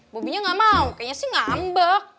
bobby nya gak mau kayaknya sih ngambek